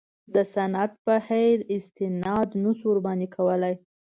د سند په حیث استناد نه شو ورباندې کولای.